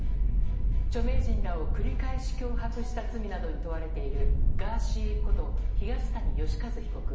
著名人らを繰り返し脅迫した罪などに問われているガーシーこと東谷義和被告。